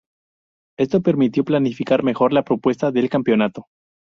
Esto permitió planificar mejor la propuesta del campeonato.